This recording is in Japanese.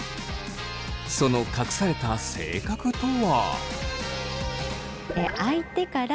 その隠された性格とは。